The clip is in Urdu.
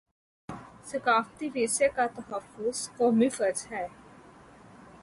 ثقافتی ورثے کا تحفظ قومی فرض ہے